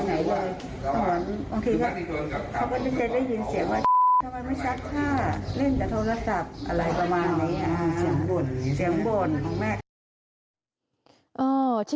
นี่คือทางด้านของอีกคนนึงบ้างค่ะคุณผู้ชมค่ะ